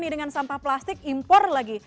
ini dengan sampah plastik impor lagi